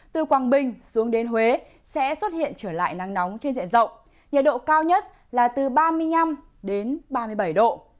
từ quảng bình xuống đến huế sẽ xuất hiện trở lại nắng nóng trên diện rộng nhiệt độ cao nhất là từ ba mươi năm đến ba mươi bảy độ